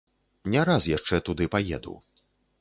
Не раз яшчэ туды паеду.